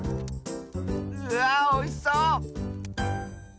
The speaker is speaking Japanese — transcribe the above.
うわおいしそう！